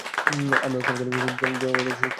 আমরা ঐক্যবদ্ধ হলে জনগণের শক্তিশালী কণ্ঠস্বর হয়ে উঠবো।